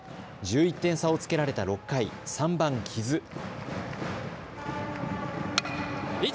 １１点差をつけられた６回、３番・木津。